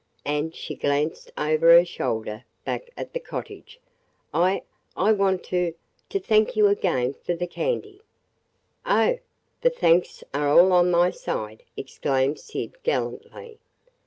And she glanced over her shoulder back at the cottage. "I – I want to – to thank you again for – the candy!" "Oh, the thanks are all on my side!" exclaimed Syd gallantly.